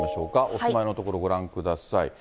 お住まいの所ご覧ください。